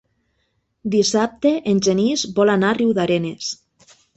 Dissabte en Genís vol anar a Riudarenes.